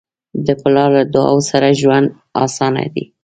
د پلار له دعاؤ سره ژوند اسانه دی.